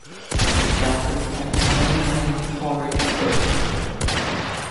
That is an amazing horrid book.